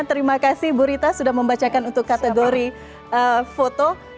terima kasih bu rita sudah membacakan untuk kategori foto